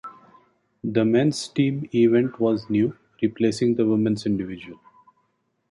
The men's team event was new, replacing the women's individual.